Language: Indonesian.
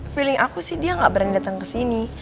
feeling aku sih dia gak berani datang ke sini